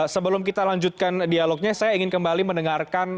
sebelum kita lanjutkan dialognya saya ingin kembali mendengarkan